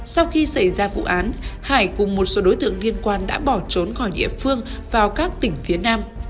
sau khi xảy ra vụ án hải cùng một số đối tượng liên quan đã bỏ trốn khỏi địa phương vào các tỉnh phía nam